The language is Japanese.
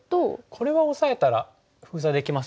これはオサえたら封鎖できますよね。